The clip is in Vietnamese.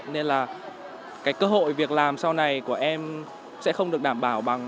nên là cái cơ hội việc làm sau này của em sẽ không được đảm bảo bằng